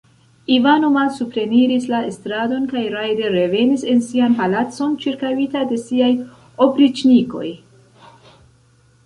Ivano malsupreniris la estradon kaj rajde revenis en sian palacon, ĉirkaŭita de siaj opriĉnikoj.